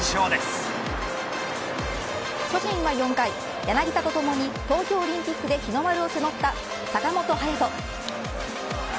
巨人は４回、柳田とともに東京オリンピックで日の丸を背負った坂本勇人。